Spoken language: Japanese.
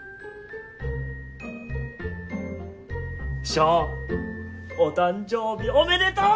ショーンお誕生日おめでとう！